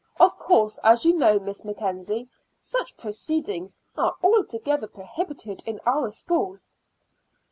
Of course, as you know, Miss Mackenzie, such proceedings are altogether prohibited in our school."